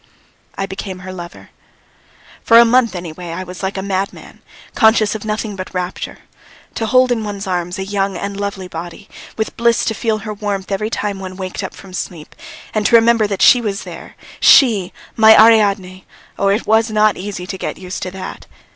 I became her lover. For a month anyway I was like a madman, conscious of nothing but rapture. To hold in one's arms a young and lovely body, with bliss to feel her warmth every time one waked up from sleep, and to remember that she was there she, my Ariadne! oh, it was not easy to get used to that!